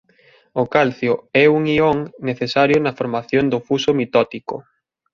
O calcio é un ión necesario na formación do fuso mitótico.